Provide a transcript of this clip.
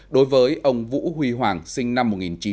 đối với ông vũ huy hoàng sinh năm một nghìn chín trăm năm mươi ba